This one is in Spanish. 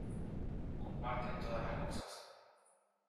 Comparten todas las cosas.